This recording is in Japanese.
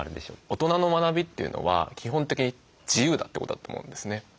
大人の学びというのは基本的に自由だってことだと思うんですね。